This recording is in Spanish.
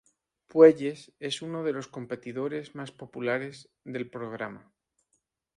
Puelles es uno de los competidores más populares del programa.